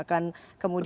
tidak berdiam diri